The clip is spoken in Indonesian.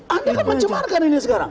anda kan mencemarkan ini sekarang